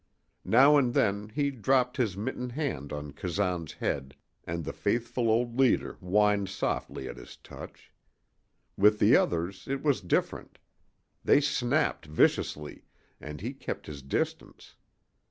Now and then he dropped his mittened hand on Kazan's head, and the faithful old leader whined softly at his touch. With the others it was different. They snapped viciously, and he kept his distance.